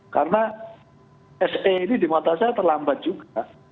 karena se ini di mata saya terlambat juga